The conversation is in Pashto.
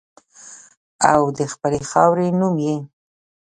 او د خپلې خاورې نوم یې